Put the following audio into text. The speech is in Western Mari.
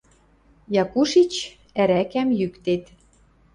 Якушич ӓрӓкӓм йӱктет...